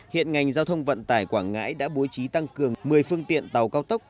hiện ngành giao thông vận tải quảng ngãi đã bố trí tăng cường một mươi phương tiện tàu cao tốc